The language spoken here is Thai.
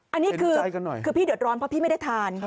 เอ็นใจกันหน่อยคือพี่เดือดร้อนเพราะพี่ไม่ได้ทาน